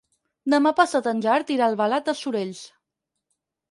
Demà passat en Gerard irà a Albalat dels Sorells.